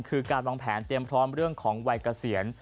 คือการวางแผนเตรียมพร้อมเรื่องของวัยเกษียณ